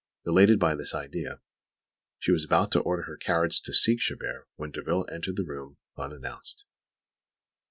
Elated by this idea, she was about to order her carriage and seek Chabert, when Derville entered the room, unannounced.